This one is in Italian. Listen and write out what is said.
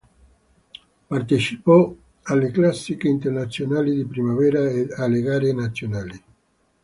Partecipò alle classiche internazionali di primavera ed alle gare nazionali.